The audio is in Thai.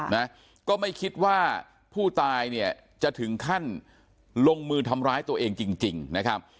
นะก็ไม่คิดว่าผู้ตายเนี่ยจะถึงขั้นลงมือทำร้ายตัวเองจริงจริงนะครับ